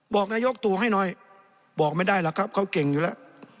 บอกนายกตัวให้หน่อยบอกไม่ได้หรอกครับเขาเก่งอยู่แล้ว